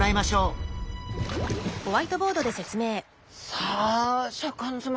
さあシャーク香音さま